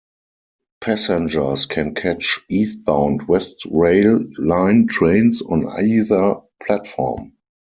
Passengers can catch eastbound West Rail Line trains on either platform.